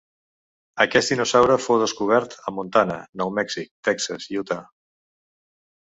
Aquest dinosaure fou descobert a Montana, Nou Mèxic, Texas i Utah.